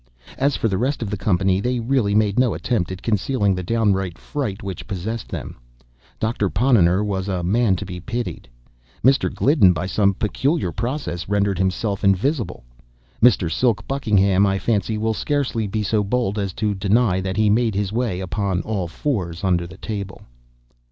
As for the rest of the company, they really made no attempt at concealing the downright fright which possessed them. Doctor Ponnonner was a man to be pitied. Mr. Gliddon, by some peculiar process, rendered himself invisible. Mr. Silk Buckingham, I fancy, will scarcely be so bold as to deny that he made his way, upon all fours, under the table.